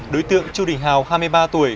đối tượng chu đình hào hai mươi ba tuổi